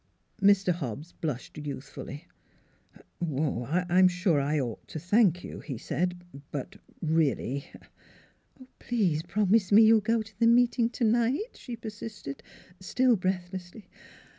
Mr. Hobbs blushed youthfully. " Oh er I'm sure I ought to thank you," he said. " But er really "" Please promise me you'll go to the meeting tonight," she persisted, still breathlessly.